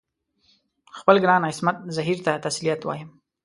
خپل ګران عصمت زهیر ته تسلیت وایم.